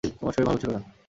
আমার শরীর ভাল ছিলো না।